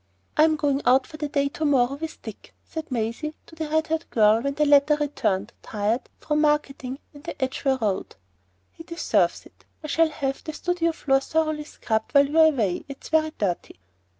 "I'm going out for the day to morrow with Dick," said Maisie to the red haired girl when the latter returned, tired, from marketing in the Edgware road. "He deserves it. I shall have the studio floor thoroughly scrubbed while you're away. It's very dirty."